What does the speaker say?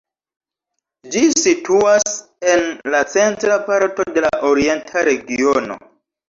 Ĝi situas en la centra parto de la Orienta Regiono.